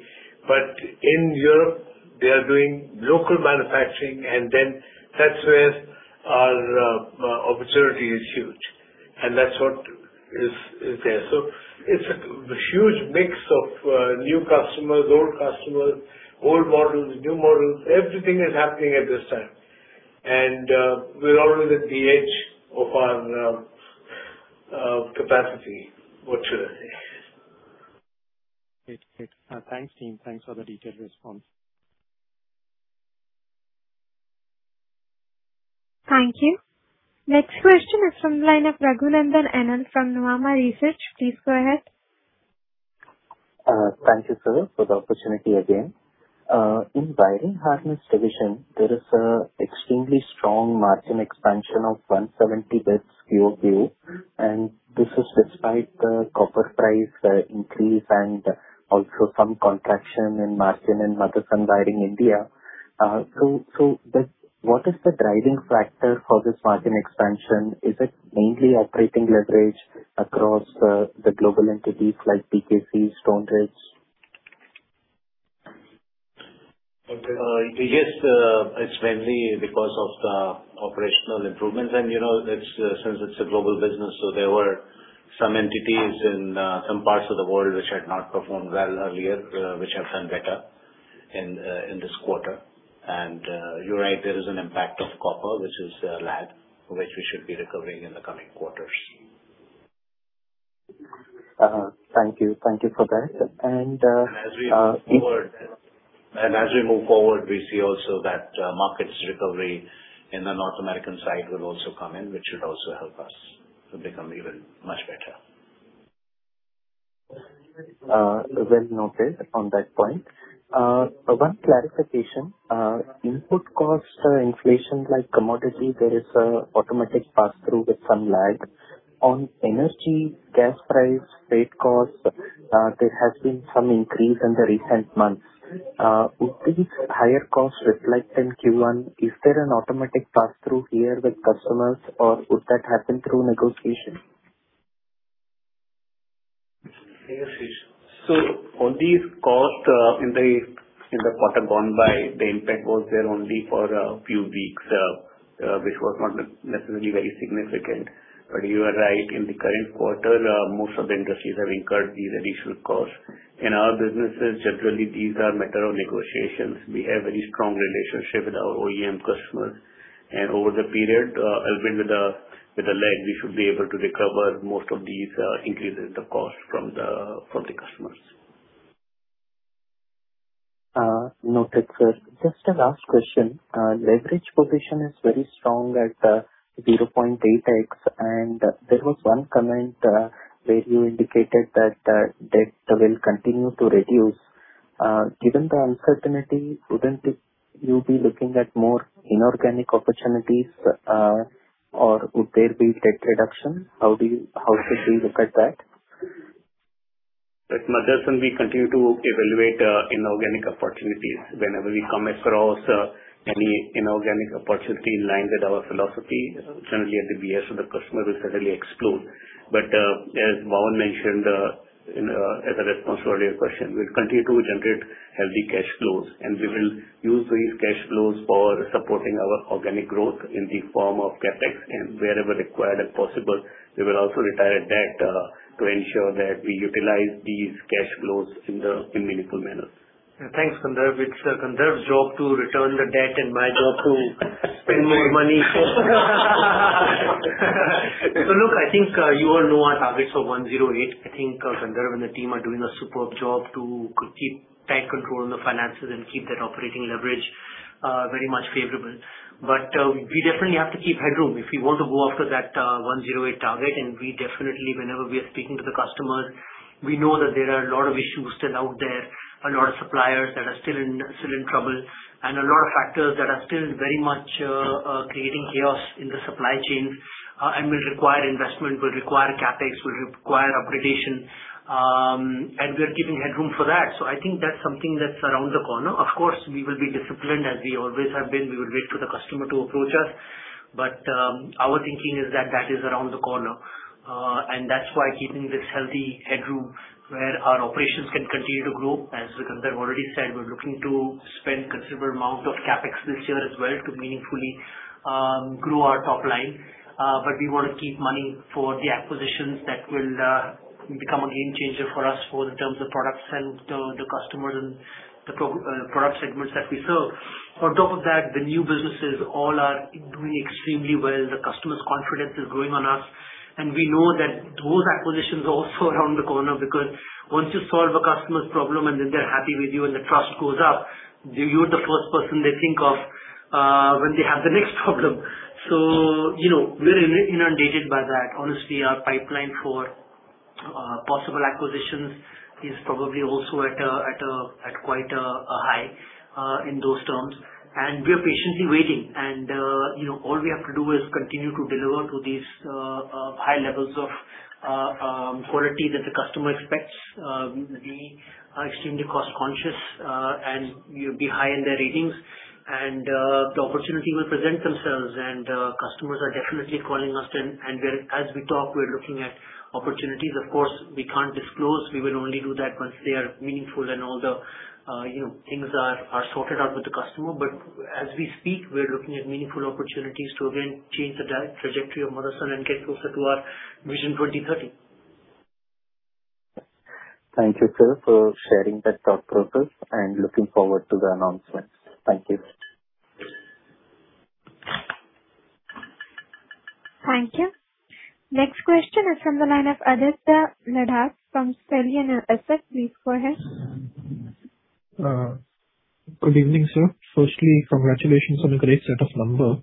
In Europe, they are doing local manufacturing, and then that's where our opportunity is huge, and that's what is there. It's a huge mix of new customers, old customers, old models, new models. Everything is happening at this time. We're always at the edge of our capacity, what should I say. Great. Great. Thanks, team. Thanks for the detailed response. Thank you. Next question is from the line of Raghunandhan N. L. from Nuvama Research. Please go ahead. Thank you, sir, for the opportunity again. In wiring harness division, there is an extremely strong margin expansion of 170 QoQ, and this is despite the copper price increase and also some contraction in margin in Motherson wiring India. What is the driving factor for this margin expansion? Is it mainly operating leverage across the global entities like PKC, Stoneridge? Yes, it's mainly because of the operational improvements and, you know, it's since it's a global business, so there were some entities in some parts of the world which had not performed well earlier, which have done better in this quarter. You're right, there is an impact of copper, which is lag, which we should be recovering in the coming quarters. Thank you. Thank you for that. As we move forward, we see also that, markets recovery in the North American side will also come in, which should also help us to become even much better. Well noted on that point. One clarification. Input cost inflation like commodity, there is an automatic pass-through with some lag. On energy, gas price, freight costs, there has been some increase in the recent months. Would these higher costs reflect in Q1? Is there an automatic pass-through here with customers or would that happen through negotiation? All these costs, in the, in the quarter gone by, the impact was there only for a few weeks, which was not necessarily very significant. You are right. In the current quarter, most of the industries have incurred these additional costs. In our businesses, generally these are matter of negotiations. We have very strong relationship with our OEM customers. Over the period, albeit with a, with a lag, we should be able to recover most of these, increases in the cost from the, from the customers. Noted, sir. Just a last question. Leverage position is very strong at 0.8x, and there was one comment where you indicated that debt will continue to reduce. Given the uncertainty, wouldn't it you be looking at more inorganic opportunities, or would there be debt reduction? How should we look at that? At Motherson we continue to evaluate inorganic opportunities. Whenever we come across any inorganic opportunity in line with our philosophy, generally at the behest with the customer will suddenly explode. As Vaaman mentioned in as a response to earlier question, we'll continue to generate healthy cash flows and we will use these cash flows for supporting our organic growth in the form of CapEx. Wherever required as possible we will also retire debt to ensure that we utilize these cash flows in meaningful manner. Thanks, Gandharv. It's Gandharv's job to return the debt and my job to spend more money. Look, I think, you all know our targets of $108 billion. I think, Gandharv and the team are doing a superb job to keep tight control on the finances and keep that operating leverage very much favorable. We definitely have to keep headroom if we want to go after that $108 billion target. We definitely, whenever we are speaking to the customers, we know that there are a lot of issues still out there, a lot of suppliers that are still in trouble, and a lot of factors that are still very much creating chaos in the supply chain and will require investment, will require CapEx, will require upgradation. We are keeping headroom for that. I think that's something that's around the corner. Of course, we will be disciplined as we always have been. We will wait for the customer to approach us. Our thinking is that that is around the corner. That's why keeping this healthy headroom where our operations can continue to grow. As Gandharv already said, we're looking to spend considerable amount of CapEx this year as well to meaningfully grow our top line. We wanna keep money for the acquisitions that will become a game changer for us for the terms of products and the customers and the product segments that we serve. On top of that, the new businesses all are doing extremely well. The customer's confidence is growing on us and we know that those acquisitions are also around the corner because once you solve a customer's problem and then they're happy with you and the trust goes up, you're the first person they think of. When they have the next problem. You know, we're inundated by that. Honestly, our pipeline for possible acquisitions is probably also at quite a high in those terms. We are patiently waiting and, you know, all we have to do is continue to deliver to these high levels of quality that the customer expects. We extremely cost conscious, and we'll be high in their ratings. The opportunity will present themselves and customers are definitely calling us, and as we talk, we're looking at opportunities. Of course, we can't disclose. We will only do that once they are meaningful and all the, you know, things are sorted out with the customer. As we speak, we're looking at meaningful opportunities to again change the trajectory of Motherson and get closer to our Vision 2030. Thank you, sir, for sharing that thought process and looking forward to the announcements. Thank you. Thank you. Next question is from the line of Aditya Ladha from Stallion Asset. Please go ahead. Good evening, sir. Firstly, congratulations on a great set of numbers.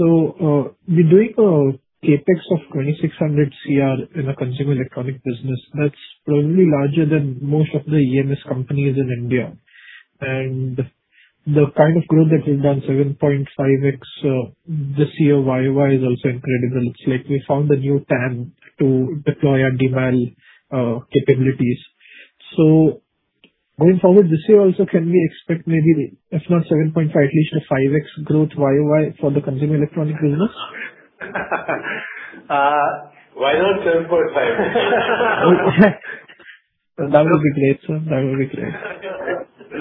We're doing a CapEx of 2,600 INR crore in a consumer electronic business. That's probably larger than most of the EMS companies in India. The kind of growth that we've done, 7.5x, this year YoY is also incredible. It's like we found a new TAM to deploy our demand capabilities. Going forward this year also, can we expect maybe if not 7.5, at least a 5x growth YoY for the consumer electronic business? Why not 7.5? That would be great, sir. That would be great. This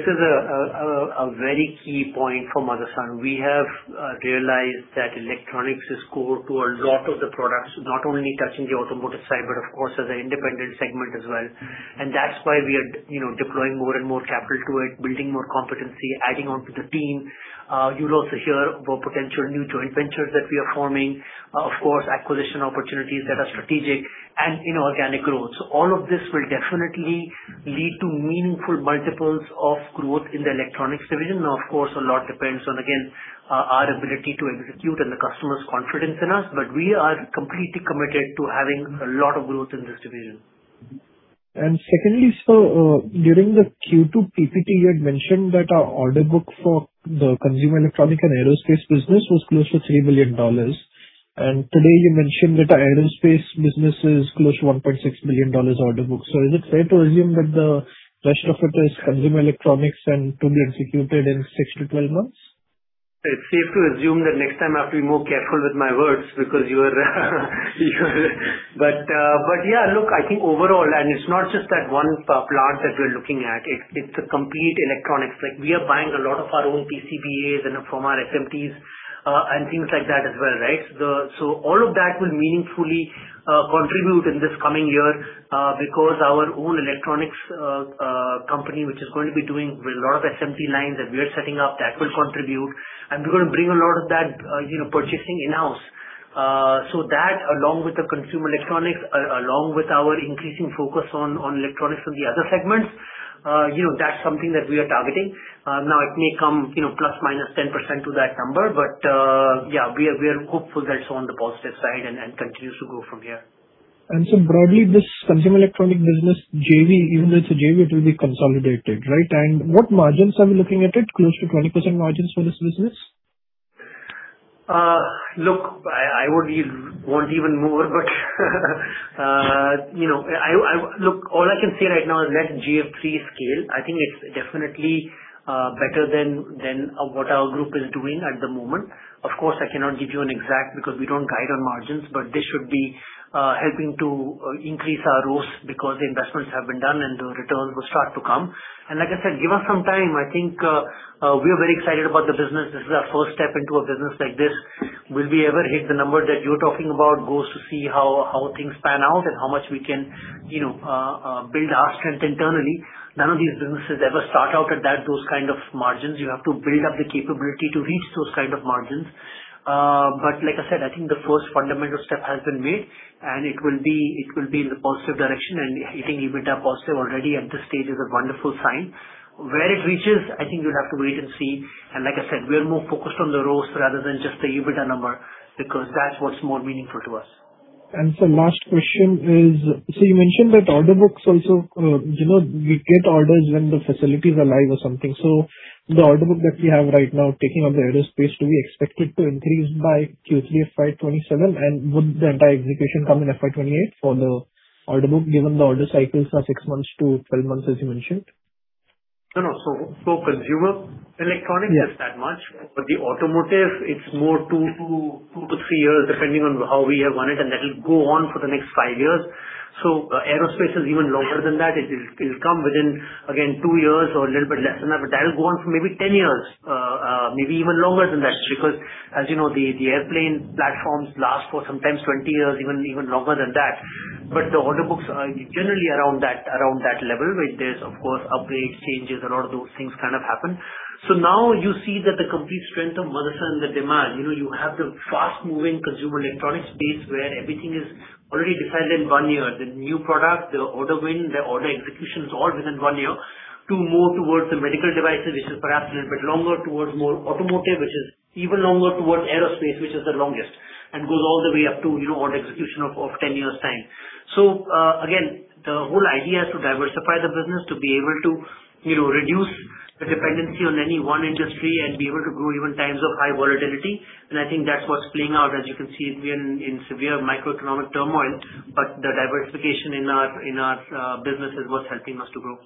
is a very key point for Motherson. We have realized that electronics is core to a lot of the products, not only touching the automotive side, but of course as an independent segment as well. That's why we are, you know, deploying more and more capital to it, building more competency, adding on to the team. You'll also hear about potential new joint ventures that we are forming. Of course, acquisition opportunities that are strategic and inorganic growth. All of this will definitely lead to meaningful multiples of growth in the electronics division. Of course, a lot depends on, again, our ability to execute and the customer's confidence in us, but we are completely committed to having a lot of growth in this division. Secondly, sir, during the Q2 PPT, you had mentioned that our order book for the consumer electronic and aerospace business was close to INR 3 million. Today you mentioned that our aerospace business is close to INR 1.6 million order book. Is it fair to assume that the rest of it is consumer electronics and to be executed in 6-12 months? It's safe to assume that next time I have to be more careful with my words because you're. I think overall, it's not just that one plant that we're looking at. It's a complete electronics. Like, we are buying a lot of our own PCBAs and from our SMTs and things like that as well, right? All of that will meaningfully contribute in this coming year because our own electronics company, which is going to be doing with a lot of SMT lines that we are setting up, that will contribute. We're gonna bring a lot of that, you know, purchasing in-house. That, along with the consumer electronics, along with our increasing focus on electronics from the other segments, you know, that's something that we are targeting. Now it may come, you know, plus minus 10% to that number, but, yeah, we are hopeful that it's on the positive side and continues to grow from here. Broadly, this consumer electronic business JV, even though it's a JV, it will be consolidated, right? What margins are we looking at it? Close to 20% margins for this business? Look, I would be want even more, but you know, I Look, all I can say right now is let GF3 scale. I think it's definitely better than what our group is doing at the moment. Of course, I cannot give you an exact because we don't guide on margins, but this should be helping to increase our ROCE because the investments have been done and the returns will start to come. Like I said, give us some time. I think we are very excited about the business. This is our first step into a business like this. Will we ever hit the number that you're talking about? Goes to see how things pan out and how much we can, you know, build our strength internally. None of these businesses ever start out at that, those kind of margins. You have to build up the capability to reach those kind of margins. Like I said, I think the first fundamental step has been made, and it will be in the positive direction. Hitting EBITDA positive already at this stage is a wonderful sign. Where it reaches, I think you'll have to wait and see. Like I said, we are more focused on the ROCE rather than just the EBITDA number because that's what's more meaningful to us. Sir, last question is, you mentioned that order books also, you know, we get orders when the facilities are live or something. The order book that we have right now taking up the aerospace, do we expect it to increase by Q3 FY 2027? Would the entire execution come in FY 2028 for the order book, given the order cycles are 6 months to 12 months as you mentioned? No, no. For consumer electronics. Yeah. It's that much. For the automotive, it's more 2-3 years, depending on how we have won it, and that'll go on for the next 5 years. Aerospace is even longer than that. It'll come within, again, 2 years or a little bit less than that, but that'll go on for maybe 10 years, maybe even longer than that. Because as you know, the airplane platforms last for sometimes 20 years, even longer than that. The order books are generally around that level, where there's of course upgrades, changes, a lot of those things kind of happen. Now you see that the complete strength of Motherson, the demand, you know, you have the fast-moving consumer electronics space where everything is already decided in 1 year. The new product, the order win, the order execution is all within one year. To move towards the medical devices, which is perhaps a little bit longer towards more automotive, which is even longer towards aerospace, which is the longest. Goes all the way up to, you know, on execution of 10 years' time. Again, the whole idea is to diversify the business to be able to, you know, reduce the dependency on any one industry and be able to grow even times of high volatility. I think that's what's playing out. As you can see, we are in severe macroeconomic turmoil, but the diversification in our business is what's helping us to grow.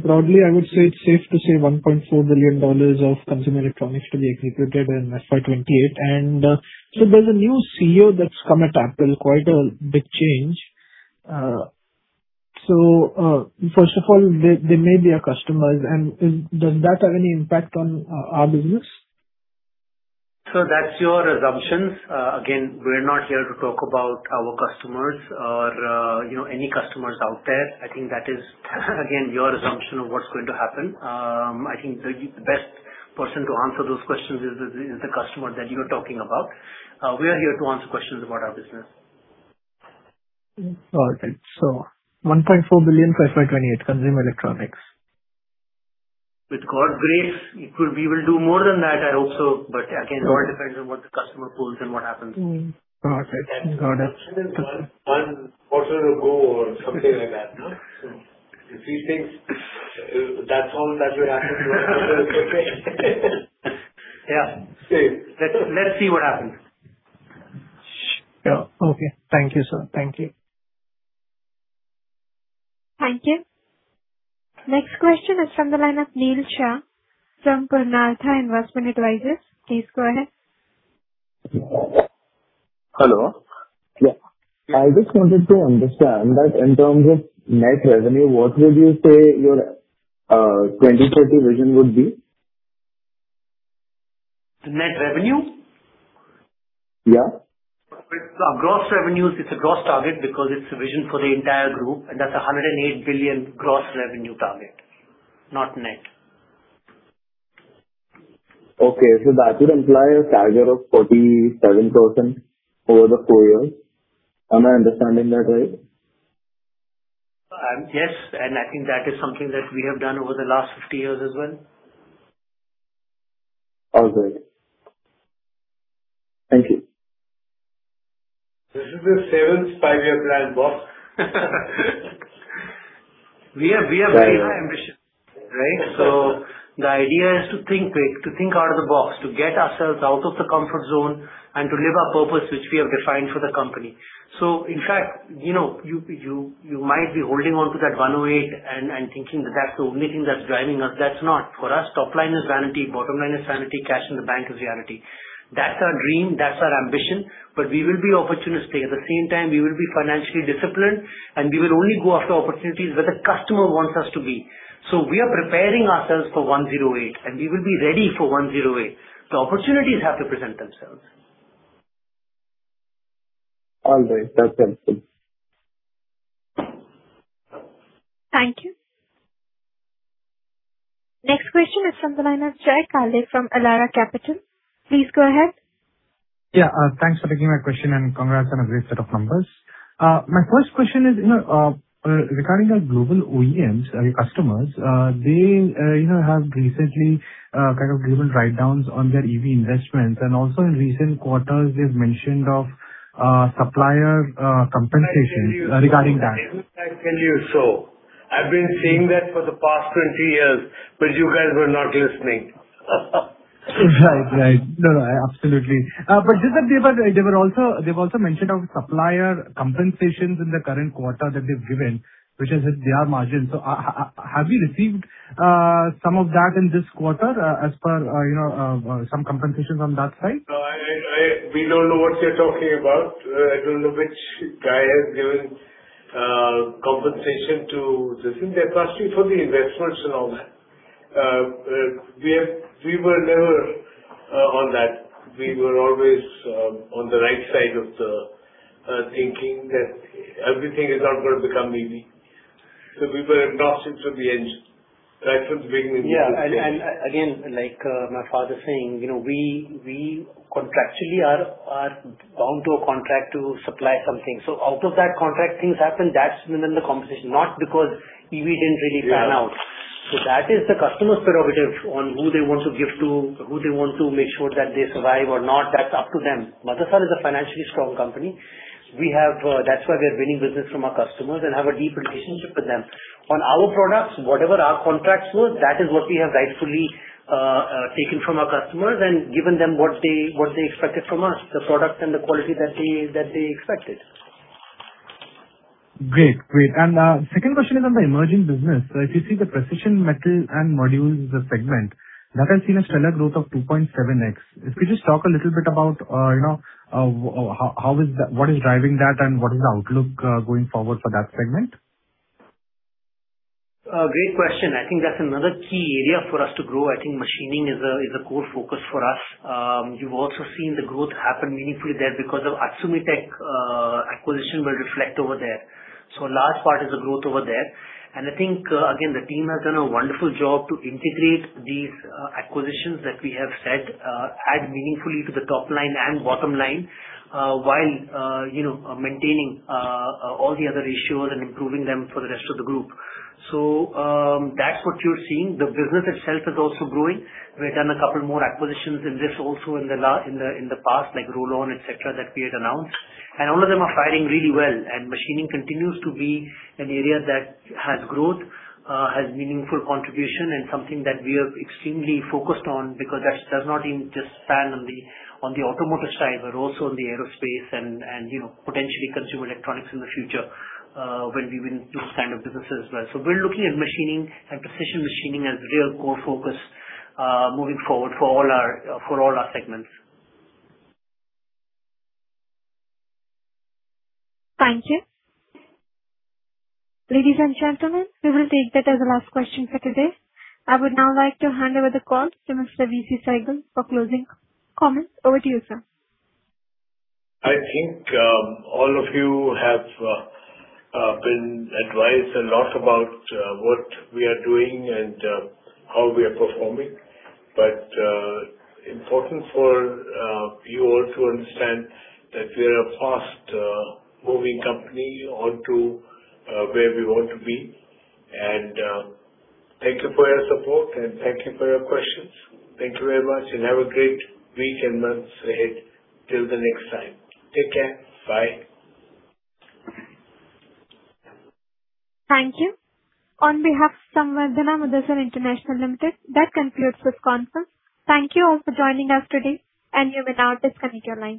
Broadly, I would say it's safe to say $1.4 billion of consumer electronics to be executed in FY 2028. There's a new CEO that's come at Apple, quite a big change. First of all, they may be a customer. Does that have any impact on our business? That's your assumptions. Again, we're not here to talk about our customers or, you know, any customers out there. I think that is, again, your assumption of what's going to happen. I think the best person to answer those questions is the customer that you're talking about. We are here to answer questions about our business. All right. $1.4 billion by FY 2028, consumer electronics. With God's grace, we will do more than that, I hope so. Again, it all depends on what the customer pulls and what happens. Got it. Got it. Unforeseen goal or something like that, no? If he thinks that's all that will happen. Yeah. Save. Let's see what happens. Yeah. Okay. Thank you, sir. Thank you. Thank you. Next question is from the line of Neel Shah from ValueQuest Investment Advisors. Please go ahead. Hello. Yeah. I just wanted to understand that in terms of net revenue, what would you say your Vision 2030 would be? Net revenue? Yeah. With gross revenues, it's a gross target because it's a vision for the entire group, that's $108 billion gross revenue target, not net. Okay. That would imply a CAGR of 47% over the 4 years. Am I understanding that right? Yes, I think that is something that we have done over the last 50 years as well. All right. Thank you. This is the seventh five-year plan, boss. We are very ambitious, right? The idea is to think big, to think out of the box, to get ourselves out of the comfort zone and to live our purpose which we have defined for the company. In fact, you know, you might be holding onto that 108 and thinking that that's the only thing that's driving us. That's not. For us topline is vanity, bottom line is sanity, cash in the bank is reality. That's our dream, that's our ambition, we will be opportunistic. At the same time, we will be financially disciplined, we will only go after opportunities where the customer wants us to be. We are preparing ourselves for 108, we will be ready for 108. The opportunities have to present themselves. All right. That's helpful. Thank you. Next question is from the line of Jay Kale from Elara Capital. Please go ahead. Thanks for taking my question. Congrats on a great set of numbers. My first question is, you know, regarding our global OEMs, your customers, they, you know, have recently kind of given write-downs on their EV investments. Also in recent quarters they've mentioned of supplier compensation regarding that. I tell you so. I've been saying that for the past 20 years, you guys were not listening. Right. Right. No, no, absolutely. Just that they've also mentioned of supplier compensations in the current quarter that they've given, which is in their margin. Have you received some of that in this quarter, as per, you know, some compensation from that side? We don't know what you're talking about. I don't know which guy has given compensation to this. They're asking for the investments and all that. We were never on that. We were always on the right side of the thinking that everything is not gonna become easy. We were agnostic from the end, right from the beginning. Yeah. Again, like, my father's saying, you know, we contractually are bound to a contract to supply something. Out of that contract, things happen. That's when the compensation, not because EV didn't really pan out. Yeah. That is the customer's prerogative on who they want to give to, who they want to make sure that they survive or not. That's up to them. Motherson is a financially strong company. We have, that's why we are winning business from our customers and have a deep relationship with them. On our products, whatever our contracts were, that is what we have rightfully taken from our customers and given them what they expected from us, the product and the quality that they expected. Great. Great. Second question is on the emerging business. If you see the precision metal and modules segment, that has seen a stellar growth of 2.7x. If you just talk a little bit about, you know, how is that, what is driving that and what is the outlook, going forward for that segment? Great question. I think that's another key area for us to grow. I think machining is a core focus for us. You've also seen the growth happen meaningfully there because of Atsumitec acquisition will reflect over there. A large part is the growth over there. I think, again, the team has done a wonderful job to integrate these acquisitions that we have said, add meaningfully to the top line and bottom line, while, you know, maintaining all the other issues and improving them for the rest of the group. That's what you're seeing. The business itself is also growing. We've done a couple more acquisitions in this also in the past, like Rollon, et cetera, that we had announced. All of them are fairing really well. Machining continues to be an area that has growth, has meaningful contribution and something that we are extremely focused on because that does not even just span on the, on the automotive side, but also in the aerospace and, you know, potentially consumer electronics in the future, when we win those kind of businesses as well. We're looking at machining and precision machining as real core focus, moving forward for all our, for all our segments. Thank you. Ladies and gentlemen, we will take that as the last question for today. I would now like to hand over the call to Mr. V.C. Sehgal for closing comments. Over to you, sir. I think, all of you have been advised a lot about what we are doing and how we are performing. Important for you all to understand that we are a fast moving company onto where we want to be. Thank you for your support and thank you for your questions. Thank you very much and have a great week and months ahead. Till the next time. Take care. Bye. Thank you. On behalf of Samvardhana Motherson International Ltd, that concludes this conference. Thank you all for joining us today, and you may now disconnect your lines.